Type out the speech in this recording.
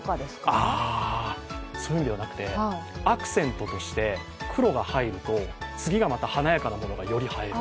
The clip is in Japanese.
そういうのではなくてアクセントとして黒が入ると次はまた華やかなものが入る。